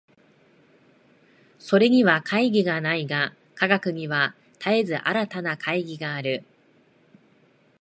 それには懐疑がないが、科学には絶えず新たな懐疑がある。